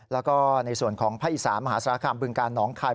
แล้วก็ในส่วนของภาคอีสานมหาสารคามบึงกาลหนองคาย